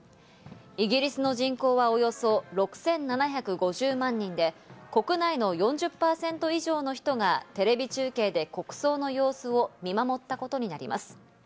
イギリスの人口はおよそ６７５０万人で、国内の４０％以上の人がテレビ中継で国葬の様子を見守ったことになります。